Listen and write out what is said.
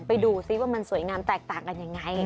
ไปดูซิว่ามันสวยงามแตกต่างกันยังไง